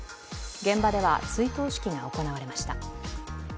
現場では、追悼式が行われました。